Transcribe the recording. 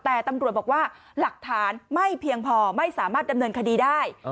แต่ตำรวจบอกว่าหลักฐานไม่เพียงพอไม่สามารถดำเนินคดีได้